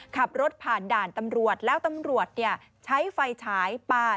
ขับรถผ่านด่านตำรวจแล้วตำรวจใช้ไฟฉายปลา